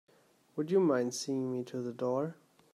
Would you mind seeing me to the door?